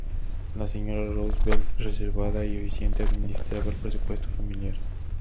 La Sra Roosevelt, reservada y eficiente, administraba el presupuesto familiar.